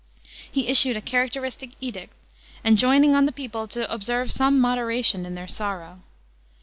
He issued a characteristic edict, enjoining on the people to observe some moderation in their sorrow.